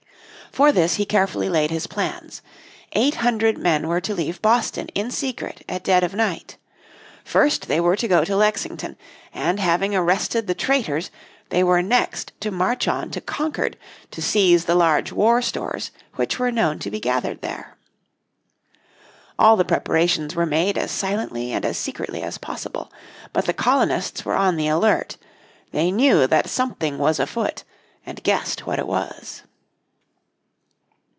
For this he carefully laid his plans. Eight hundred men were to leave Boston in secret at dead of night. First they were to go to Lexington, and having arrested the "traitors" they were next to march on to Concord to seize the large war stores which were known to be gathered there. All the preparations were made as silently and as secretly as possible. But the colonists were on the alert. They knew that something was afoot, and guessed what it was.